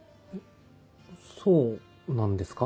そうなんですか？